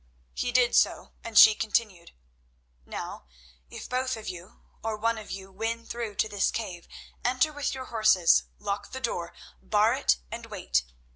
He did so, and she continued: "Now if both of you, or one of you, win through to this cave, enter with your horses, lock the door, bar it, and wait.